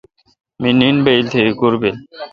می نین بایل تھ ایکور بیک